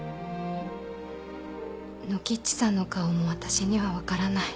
ノキッチさんの顔も私には分からない。